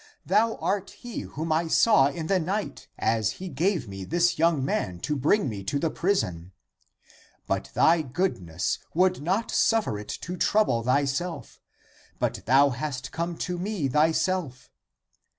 Thou art he whom I saw in the night as he gave me this young man to bring me to the prison. But thy goodness would not suffer it to trouble myself, but thou hast come to me thyself."